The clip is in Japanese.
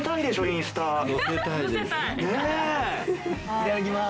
いただきます。